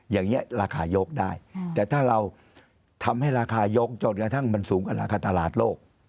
อย่างนี้ราคายกได้แต่ถ้าเราทำให้ราคายกจนกระทั่งมันสูงกว่าราคาตลาดโลก